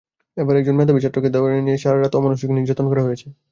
এবার একজন মেধাবী ছাত্রকে ধরে নিয়ে সারা রাত অমানুষিক নির্যাতন করা হয়েছে।